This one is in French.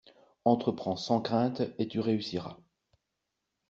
Entreprends sans crainte et tu réussiras